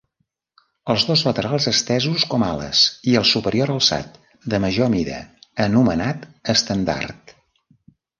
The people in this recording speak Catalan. Els dos laterals estesos com ales i el superior alçat, de major mida, anomenat estendard.